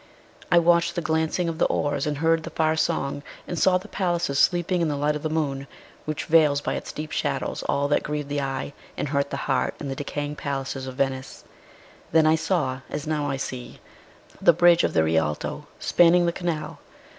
I watched the glancing of the oars, and heard the far song, and saw the palaces sleeping in the light of the moon, which veils by its deep shadows all that grieved the eye and hurt the heart in the decaying palaces of Venice; then I saw, as now I see, the bridge of the Rialto spanning the canal.